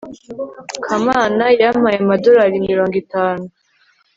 kamana yampaye amadorari mirongo itanu